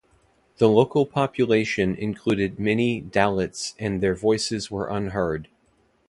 The local population included many dalits and their voices were unheard.